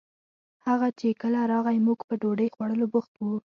هغه چې کله راغئ موږ په ډوډۍ خوړولو بوخت وو